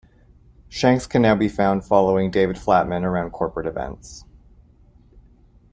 Shanks can now be found following David Flatman around corporate events.